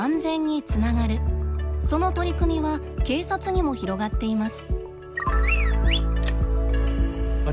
その取り組みは警察にも広がっています。